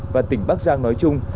và tỉnh bắc giang nói chung